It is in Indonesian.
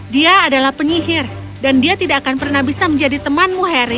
dia adalah penyihir dan dia tidak akan pernah bisa menjadi temanmu harry